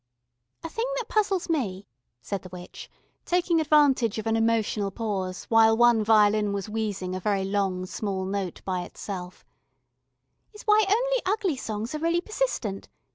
"A thing that puzzles me," said the witch, taking advantage of an emotional pause while one violin was wheezing a very long small note by itself, "is why only ugly songs are really persistent.